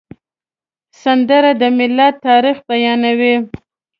سندره د ملت تاریخ بیانوي